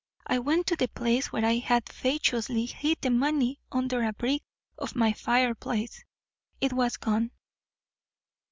I went to the place where I had fatuously hid the money under a brick of my fireplace. It was gone."